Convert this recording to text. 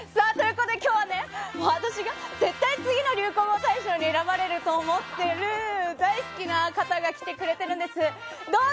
今日は私が絶対次の流行語大賞に選ばれると思っている大好きな方が来てくれているんです。